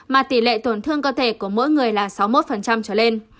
mà tỷ lệ tổn thương cơ thể của mỗi người là sáu mươi một trở lên